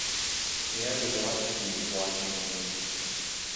We have to watch "you" watching the movie.